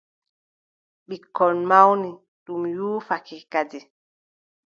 Ɓikkon mawni, ɗum wuufake kadi.